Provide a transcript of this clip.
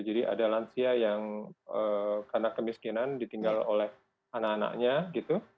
ada lansia yang karena kemiskinan ditinggal oleh anak anaknya gitu